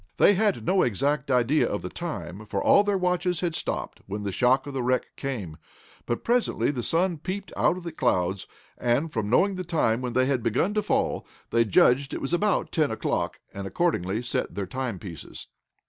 They had no exact idea of the time, for all their watches had stopped when the shock of the wreck came, but presently the sun peeped out from the clouds, and, from knowing the time when they had begun to fall, they judged it was about ten o'clock, and accordingly set their timepieces.